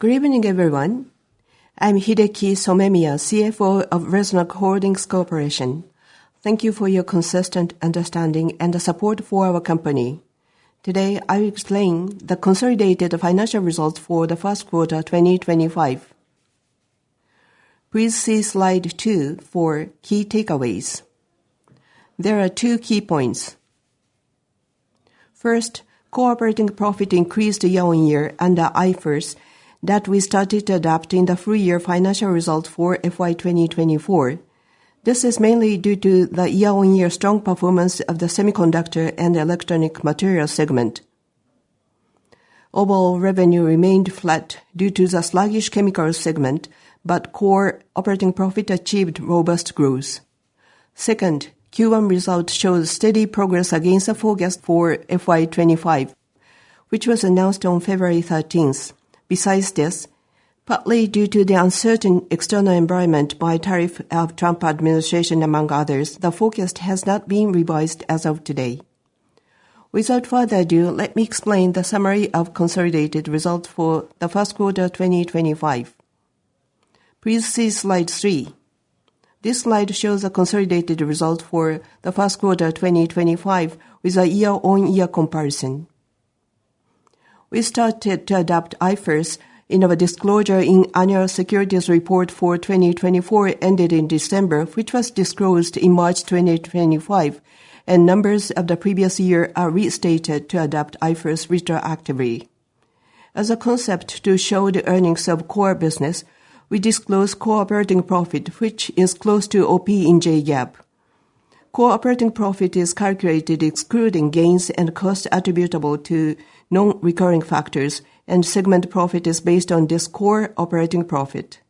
Good evening, everyone. I'm Hideki Somemiya, CFO of Resonac Holdings Corporation. Thank you for your consistent understanding and support for our company. Today, I'll explain the consolidated financial results for the first quarter 2025. Please see slide 2 for key takeaways. There are two key points. first, Core operating profit increased year on year under IFRS that we started adopting the full-year financial results for FY 2024. This is mainly due to the year-on-year strong performance of the Semiconductor and electronic materials segment. Overall revenue remained flat due to the sluggish Chemicals segment, but Core operating profit achieved robust growth. Second, Q1 results showed steady progress against the forecast for FY 2025, which was announced on February 13th. Besides this, partly due to the uncertain external environment by tariffs of the Trump administration, among others, the forecast has not been revised as of today. Without further ado, let me explain the summary of consolidated results for the first quarter 2025. Please see slide 3. This slide shows the consolidated results for the first quarter 2025 with a year-on-year comparison. We started to adopt IFRS in our disclosure in the annual securities report for 2024 ended in December, which was disclosed in March 2025, and numbers of the previous year are restated to adopt IFRS retroactively. As a concept to show the earnings of core business, we disclose Core operating profit, which is close to OP in j-gaap. Core operating profit is calculated excluding gains and costs attributable to non-recurring factors, and segment profit is based on this Core operating profit.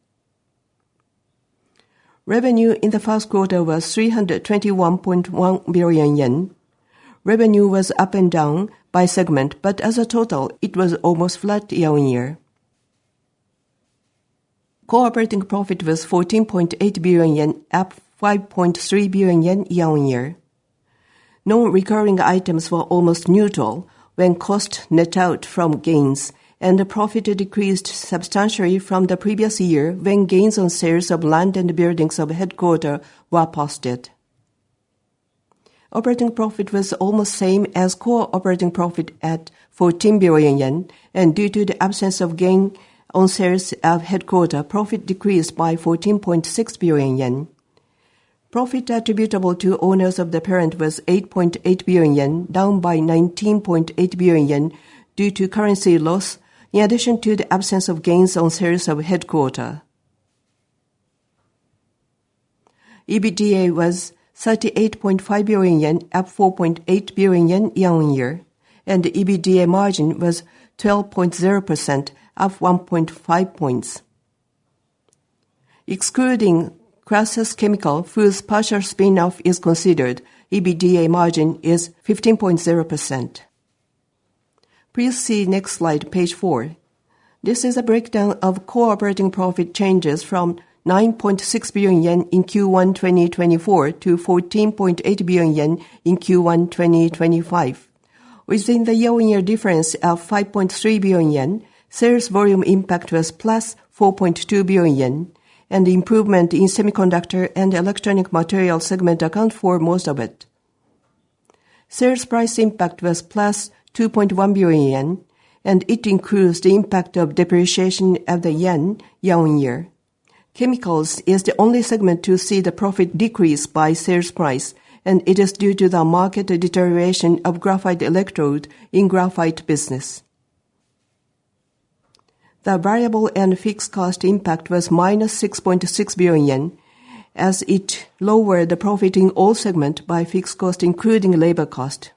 Revenue in the first quarter was 321.1 billion yen. Revenue was up and down by segment, but as a total, it was almost flat year on year. Core operating profit was 14.8 billion yen, up 5.3 billion yen year on year. Non-recurring items were almost neutral when costs net out from gains, and the profit decreased substantially from the previous year when gains on sales of land and buildings of headquarters were posted. Operating profit was almost the same as Core operating profit at 14 billion yen, and due to the absence of gain on sales of headquarters, profit decreased by 14.6 billion yen. Profit attributable to owners of the parent was 8.8 billion yen, down by 19.8 billion yen due to currency loss, in addition to the absence of gains on sales of headquarters. EBITDA was 38.5 billion yen, up 4.8 billion yen year on year, and the EBITDA margin was 12.0%, up 1.5 percentage points. Excluding Process chemicals whose partial spin-off is considered, EBITDA margin is 15.0%. Please see next slide, page 4. This is a breakdown of Core operating profit changes from 9.6 billion yen in Q1 2024 to 14.8 billion yen in Q1 2025. Within the year-on-year difference of 5.3 billion yen, sales volume impact was +4.2 billion yen, and the improvement in Semiconductor and electronic materials segment accounts for most of it. Sales price impact was +2.1 billion yen, and it includes the impact of depreciation of the yen year on year. Chemicals is the only segment to see the profit decrease by sales price, and it is due to the market deterioration of Graphite electrodes in graphite business. The variable and fixed cost impact was -6.6 billion yen, as it lowered the profit in all segments by fixed cost, including labor cost.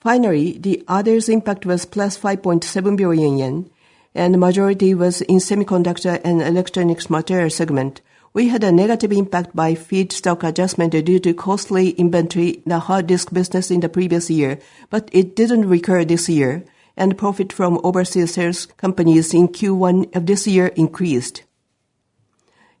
Finally, the others' impact was +5.7 billion yen, and the majority was in semiconductor and electronics materials segment. We had a negative impact by feedstock adjustment due to costly inventory in the Hard disk business in the previous year, but it did not recur this year, and profit from overseas sales companies in Q1 of this year increased.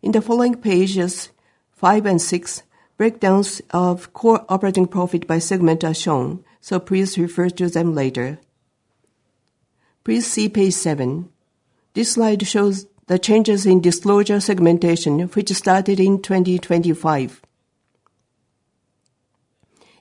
In the following pages, 5 and 6, breakdowns of Core operating profit by segment are shown, so please refer to them later. Please see page 7. This slide shows the changes in disclosure segmentation, which started in 2025.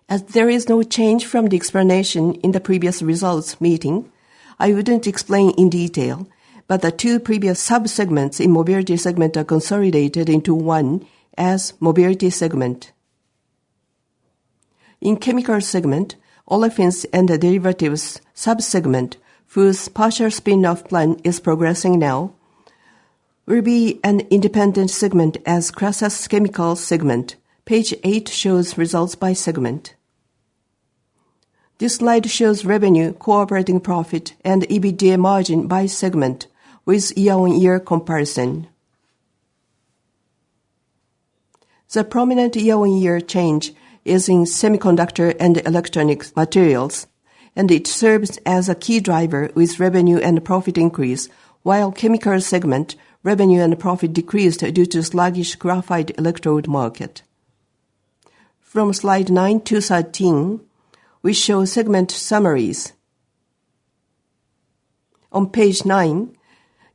As there is no change from the explanation in the previous results meeting, I would not explain in detail, but the two previous sub-segments in Mobility segment are consolidated into one as Mobility segment. In Chemicals segment, Olefins and derivatives sub-segment, whose partial spin-off plan is progressing now, will be an independent segment as Process chemicals segment. Page 8 shows results by segment. This slide shows revenue, Core operating profit, and EBITDA margin by segment with year-on-year comparison. The prominent year-on-year change is in Semiconductor and electronic materials, and it serves as a key driver with revenue and profit increase, while Chemicals segment revenue and profit decreased due to sluggish Graphite electrode market. From slide 9 to 13, we show segment summaries. On page 9,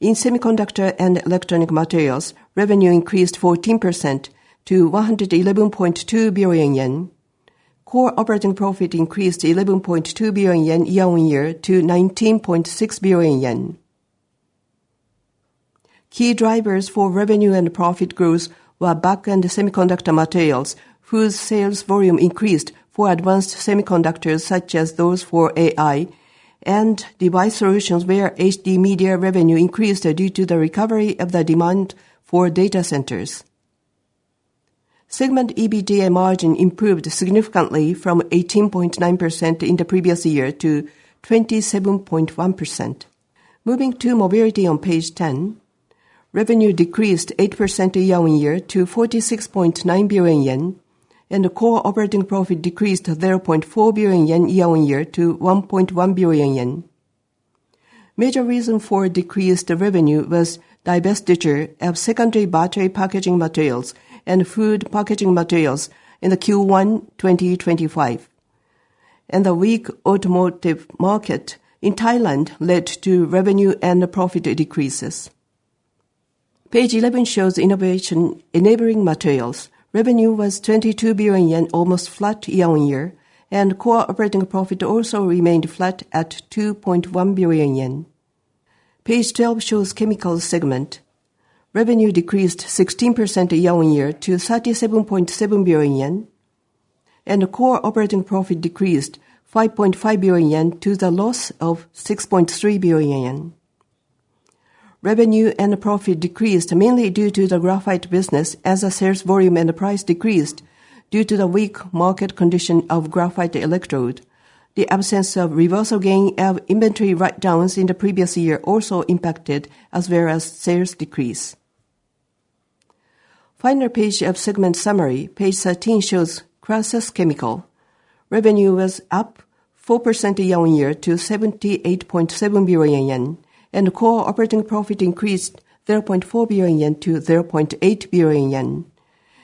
in Semiconductor and electronic materials, revenue increased 14% to 111.2 billion yen. Core operating profit increased 11.2 billion yen year on year to 19.6 billion yen. Key drivers for revenue and profit growth were Back-end semiconductor materials, whose sales volume increased for Ddvanced semiconductors such as those for AI, and device solutions where HD media revenue increased due to the recovery of the demand for data centers. Segment EBITDA margin improved significantly from 18.9% in the previous year to 27.1%. Moving to mobility on page 10, revenue decreased 8% year on year to 46.9 billion yen, and Core operating profit decreased 0.4 billion yen year on year to 1.1 billion yen. Major reason for decreased revenue was divestiture of Secondary battery packaging materials and Food packaging materials in Q1 2025, and the weak automotive market in Thailand led to revenue and profit decreases. Page 11 shows innovation enabling materials. Revenue was 22 billion yen, almost flat year on year, and Core operating profit also remained flat at 2.1 billion yen. Page 12 shows Chemicals segment. Revenue decreased 16% year on year to 37.7 billion yen, and Core operating profit decreased 5.5 billion yen to the loss of 6.3 billion yen. Revenue and profit decreased mainly due to the graphite business as the sales volume and price decreased due to the weak market condition of Graphite electrodes. The absence of reversal gain of inventory write-downs in the previous year also impacted as well as sales decrease. Final page of segment summary, page 13 shows Process chemicals. Revenue was up 4% year on year to 78.7 billion yen, and Core operating profit increased 0.4 billion yen to 0.8 billion yen.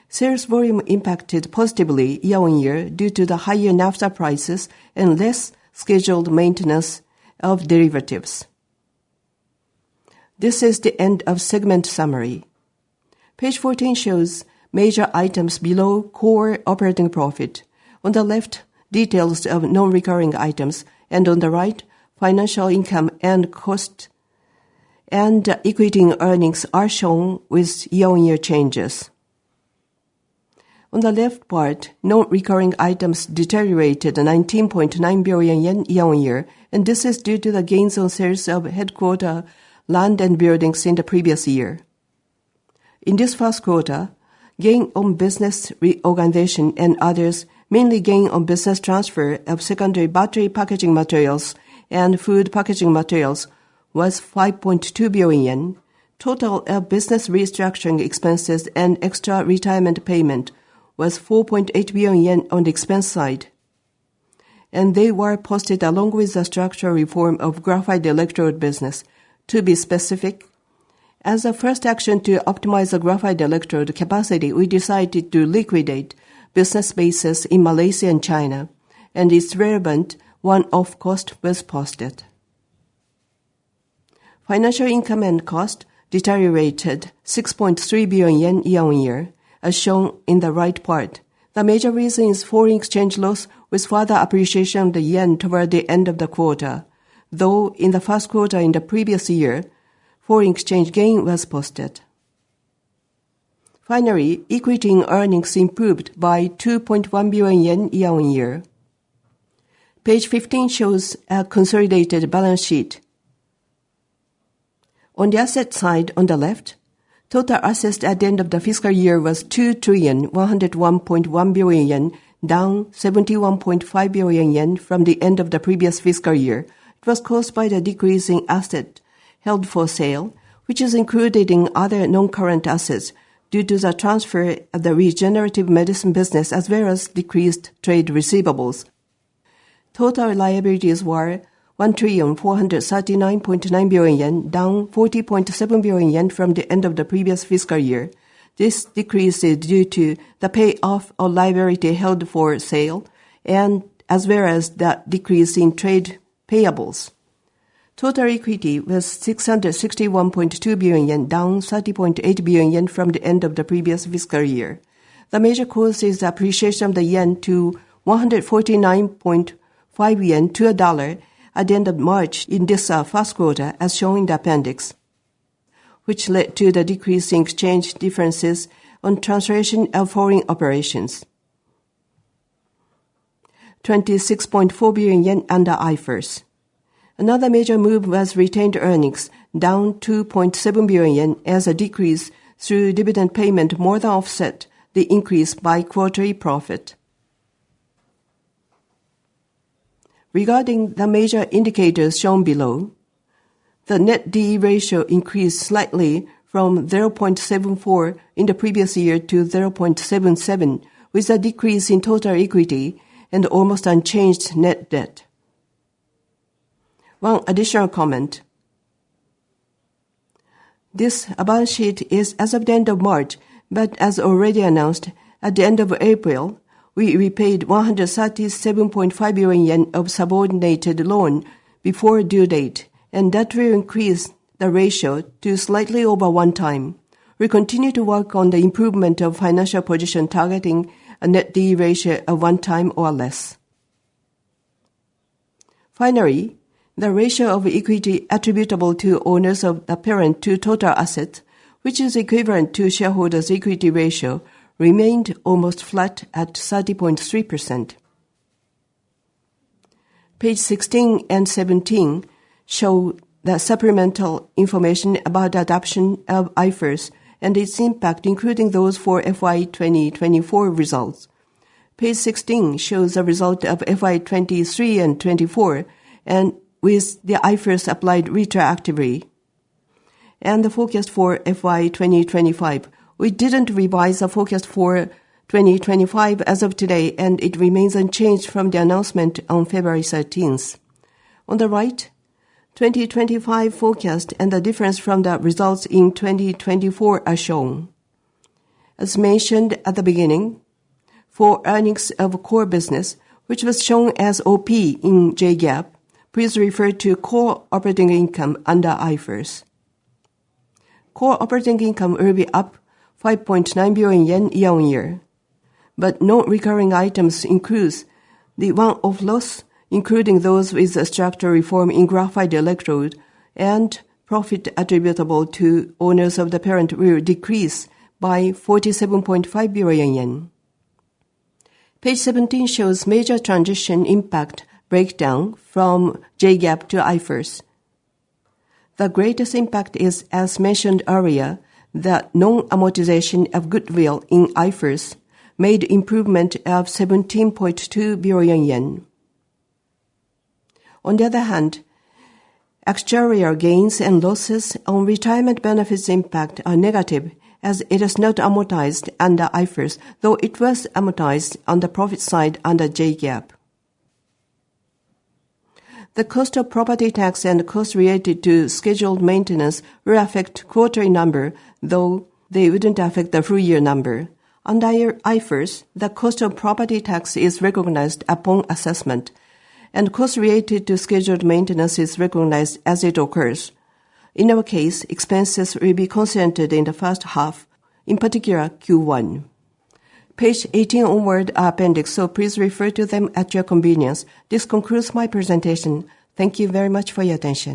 Sales volume impacted positively year on year due to the higher NAFTA prices and less scheduled maintenance of derivatives. This is the end of segment summary. Page 14 shows major items below Core operating profit. On the left, details of non-recurring items, and on the right, financial income and cost and equity earnings are shown with year-on-year changes. On the left part, non-recurring items deteriorated 19.9 billion yen year on year, and this is due to the gains on sales of headquarter land and buildings in the previous year.In this first quarter, gain on business reorganization and others, mainly gain on business transfer of Secondary battery packaging materials and Food packaging materials, was 5.2 billion yen. Total of business restructuring expenses and extra retirement payment was 4.8 billion yen on the expense side, and they were posted along with the structural reform of Graphite electrode business. To be specific, as a first action to optimize the Graphite electrode capacity, we decided to liquidate business bases in Malaysia and China, and its relevant one-off cost was posted. Financial income and cost deteriorated 6.3 billion yen year on year, as shown in the right part. The major reason is foreign exchange loss with further appreciation of the yen toward the end of the quarter, though in the first quarter in the previous year, foreign exchange gain was posted. Finally, equity earnings improved by 2.1 billion yen year on year. Page 15 shows a consolidated balance sheet. On the asset side on the left, total assets at the end of the fiscal year was 2 trillion 101.1 billion yen, down 71.5 billion yen from the end of the previous fiscal year. It was caused by the decrease in assets held for sale, which is included in other non-current assets due to the transfer of the regenerative medicine business as well as decreased trade receivables. Total liabilities were 1 trillion 439.9 billion yen, down 40.7 billion yen from the end of the previous fiscal year. This decrease is due to the payoff of liability held for sale and as well as the decrease in trade payables. Total equity was 661.2 billion yen, down 30.8 billion yen from the end of the previous fiscal year. The major cause is appreciation of the yen to 149.5 yen to a dollar at the end of March. In this first quarter, as shown in the appendix, which led to the decrease in exchange differences on translation of foreign operations. 26.4 billion yen under IFRS. Another major move was retained earnings, down 2.7 billion yen, as a decrease through dividend payment more than offset the increase by quarterly profit. Regarding the major indicators shown below, the Net D/E ratio increased slightly from 0.74 in the previous year to 0.77, with a decrease in total equity and almost unchanged net debt. One additional comment. This balance sheet is as of the end of March, but as already announced, at the end of April, we repaid 137.5 billion yen of subordinated loan before due date, and that will increase the ratio to slightly over one time. We continue to work on the improvement of financial position targeting a Net D/E ratio of one time or less. Finally, the ratio of equity attributable to owners of the parent to total assets, which is equivalent to shareholders' equity ratio, remained almost flat at 30.3%. Page 16 and 17 show the supplemental information about adoption of IFRS and its impact, including those for FY 2024 results. Page 16 shows the result of FY 2023 and 2024, and with the IFRS applied retroactively. The focus for FY 2025. We did not revise the focus for 2025 as of today, and it remains unchanged from the announcement on February 13. On the right, 2025 forecast and the difference from the results in 2024 are shown. As mentioned at the beginning, for earnings of core business, which was shown as OP in J-GAAP, please refer to Core operating income under IFRS.Core operating income will be up 5.9 billion yen year on year, but non-recurring items includes the one-off loss, including those with structural reform in graphite electrode, and profit attributable to owners of the parent will decrease by 47.5 billion yen. Page 17 shows major transition impact breakdown from J-GAAP to IFRS. The greatest impact is, as mentioned earlier, the non-amortization of goodwill in IFRS made improvement of 17.2 billion yen. On the other hand, exterior gains and losses on retirement benefits impact are negative as it is not amortized under IFRS, though it was amortized on the profit side under J-GAAP. The cost of property tax and cost related to scheduled maintenance will affect quarterly number, though they wouldn't affect the full year number. Under IFRS, the cost of property tax is recognized upon assessment, and cost related to scheduled maintenance is recognized as it occurs.In our case, expenses will be concentrated in the first half, in particular Q1. Page 18 onward are appendix, so please refer to them at your convenience. This concludes my presentation. Thank you very much for your attention.